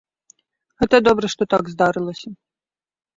Гэта добра, што так здарылася.